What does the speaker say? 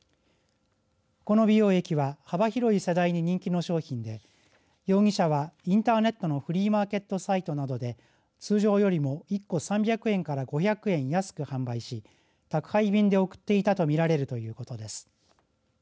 この美容液は幅広い世代に人気の商品で容疑者はインターネットのフリーマーケットサイトなどで通常よりも１個３００円から５００円安く販売し宅配便で送っていたと見られるということです。